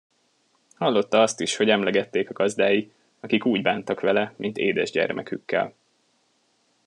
Hallotta azt is, hogy emlegették a gazdái, akik úgy bántak vele, mint édes gyermekükkel.